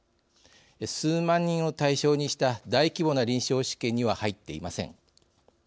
数万人を対象にした大規模な臨床試験には入っていません。